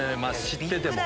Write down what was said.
知ってても。